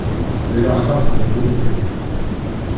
Di laxert n ddunit-iw.